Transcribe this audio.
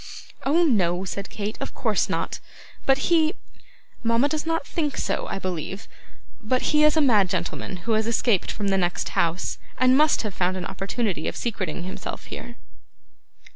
'Oh, no,' said Kate, 'of course not; but he mama does not think so, I believe but he is a mad gentleman who has escaped from the next house, and must have found an opportunity of secreting himself here.